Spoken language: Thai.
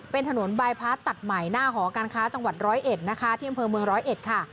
เป็นถนนบายพาร์ทตัดใหม่หน้าหอการค้าจังหวัดร้อยเอ็ดนะคะที่อำเภอเมืองร้อยเอ็ดค่ะ